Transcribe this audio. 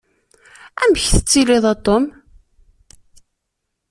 Amek tettiliḍ a Tom?